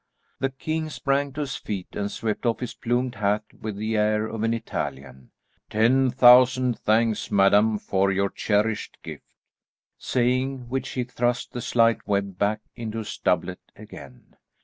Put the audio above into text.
The king sprang to his feet and swept off his plumed hat with the air of an Italian. "Ten thousand thanks, madam, for your cherished gift." Saying which he thrust the slight web back into his doublet again.